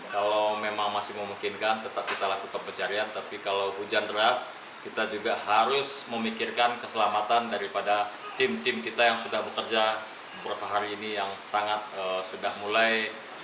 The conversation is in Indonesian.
kalau memang masih memungkinkan tetap kita lakukan pencarian tapi kalau hujan deras kita juga harus memikirkan keselamatan daripada tim tim kita yang sudah bekerja beberapa hari ini yang sangat sudah mulai